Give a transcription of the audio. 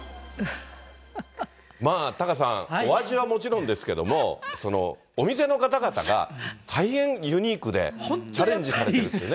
まあ、タカさん、お味はもちろんですけども、そのお店の方々が大変ユニークで、チャレンジされてるってね。